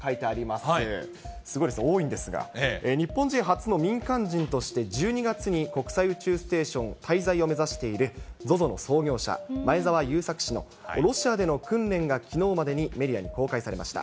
すごいです、多いんですが、日本人初の民間人として、１２月に国際宇宙ステーション滞在を目指している、ＺＯＺＯの創業者、前澤友作氏のロシアでの訓練がきのうまでにメディアに公開されました。